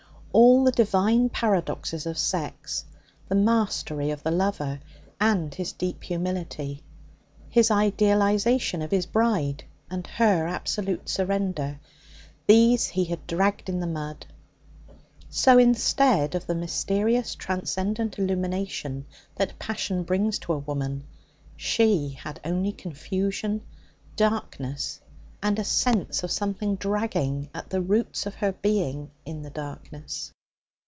All the divine paradoxes of sex the mastery of the lover and his deep humility, his idealization of his bride and her absolute surrender these he had dragged in the mud. So instead of the mysterious, transcendant illumination that passion brings to a woman, she had only confusion, darkness, and a sense of something dragging at the roots of her being in the darkness.